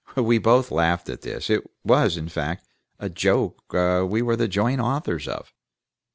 We both laughed at this; it was, in fact, a joke we were the joint authors of.